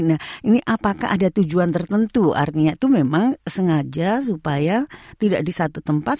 nah ini apakah ada tujuan tertentu artinya itu memang sengaja supaya tidak di satu tempat